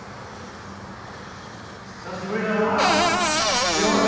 久しぶりだな清恵。